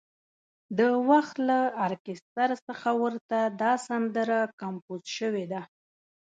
د وخت له ارکستر څخه ورته دا سندره کمپوز شوې ده.